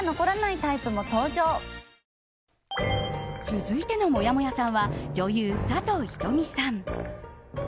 続いての、もやもやさんは女優・佐藤仁美さん。